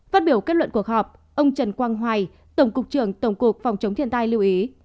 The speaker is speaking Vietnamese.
phát biểu kết luận cuộc họp ông trần quang hoài tổng cục trưởng tổng cục phòng chống thiên tai lưu ý